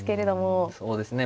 そうですね